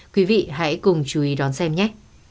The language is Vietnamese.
quý vị hãy cùng chú ý đón xem nhé